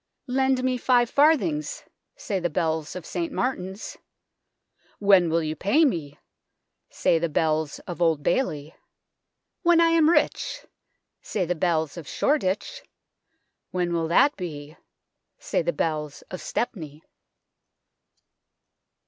"' Lend me five farthings/ Say the bells of St Martin's. ' When will you pay me ?' Say the bells of Old Bailey. ' When I am rich,' Say the bells of Shoreditch. ' When will that be ?' Say the bells of Stepney."